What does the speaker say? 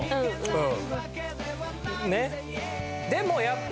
うん。